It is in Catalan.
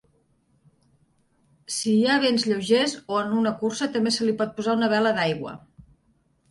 Si hi ha vents lleugers, o en una cursa, també se li pot posar una vela d'aigua.